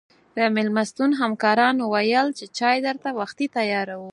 د مېلمستون همکارانو ویل چې چای درته وختي تیاروو.